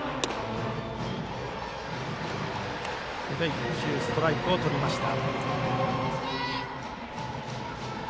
１球、ストライクをとりました。